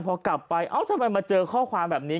พอกลับไปเอ้าทำไมมาเจอข้อความแบบนี้